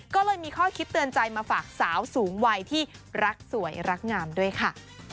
ก็เลยมีข้อคิดเตือนใจมาฝากสาวสูงวัยที่รักสวยรักงามด้วยค่ะ